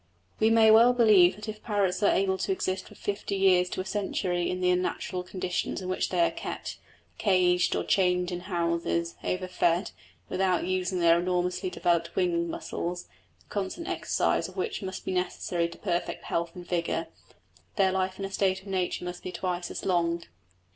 We may well believe that if parrots are able to exist for fifty years to a century in the unnatural conditions in which they are kept, caged or chained in houses, over fed, without using their enormously developed wing muscles, the constant exercise of which must be necessary to perfect health and vigour, their life in a state of nature must be twice as long.